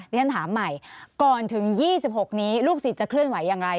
ฉันถามใหม่ก่อนถึง๒๖นี้ลูกศิษย์จะเคลื่อนไหวอย่างไร